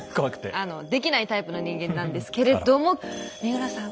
できないタイプの人間なんですけれども三浦さん